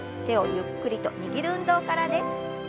手をゆっくりと握る運動からです。